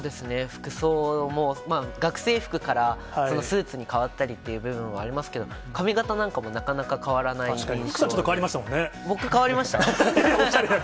服装も、学生服からスーツに変わったりっていう部分はありますけど、髪形なんかもなかなか変わらない印象で。